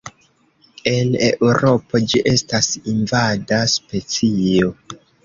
En Eŭropo ĝi estas invada specio.